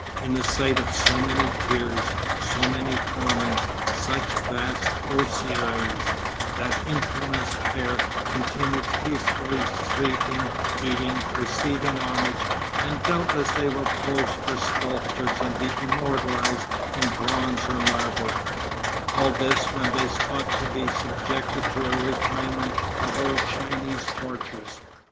In the sight of so many tears, so many torments, such vast ossuaries, that infamous pair continue peacefully sleeping, eating, receiving homage, and doubtless they will pose for sculptors and be immortalised in bronze or marble all this when they ought to be subjected to a refinement of old Chinese tortures.